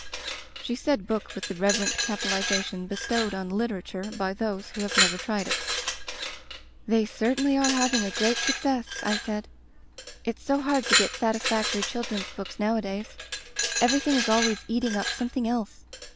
She said book with the reverent capital ization bestowed on literature by those who have never tried it. "They certainly are having a great sue Digitized by LjOOQ IC Interventions cess," I said. "It's so hard to get satisfac tory children's books nowadays. Everything is always eating up something else.